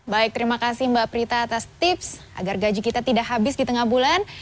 baik terima kasih mbak prita atas tips agar gaji kita tidak habis di tengah bulan